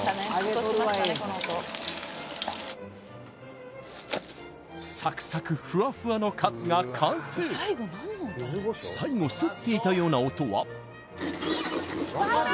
この音サクサクふわふわのカツが完成最後すっていたような音はワサビ！